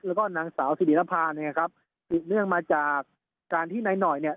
แล้วก็นางสาวสิริรภาเนี่ยครับสืบเนื่องมาจากการที่นายหน่อยเนี่ย